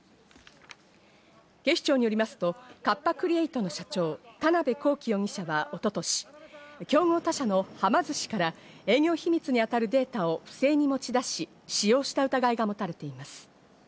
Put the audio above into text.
警視庁によりますと、カッパ・クリエイトの社長・田辺公己容疑者は一昨年、競合他社のはま寿司から営業機密に当たるデータを不正に持ち出し、使用した疑いが持たれています。